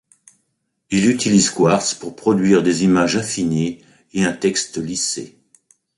Il utilise Quartz pour produire des images affinées et un texte lissé.